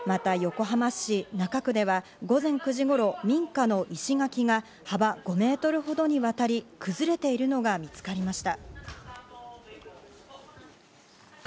また、横浜市中区では午前９時頃、民家の石垣が幅５ｍほどにわたり崩れているのが見つかりました。